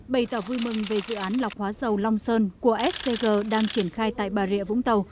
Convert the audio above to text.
bày tỏ vui mừng về dự án lọc hóa dầu long sơn của scg đang triển khai tại bà rịa vũng tàu